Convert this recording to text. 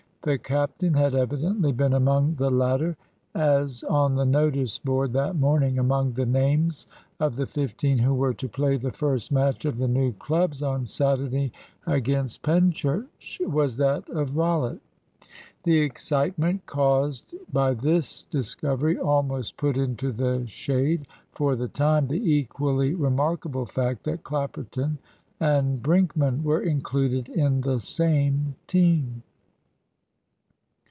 The captain had evidently been among the latter; as, on the notice board that morning, among the names of the fifteen who were to play the first match for the new clubs on Saturday against Penchurch, was that of Rollitt. The excitement caused by this discovery almost put into the shade for the time the equally remarkable fact that Clapperton and Brinkman were included in the same team.